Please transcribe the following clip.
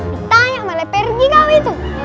ditanya sama lepergi kami itu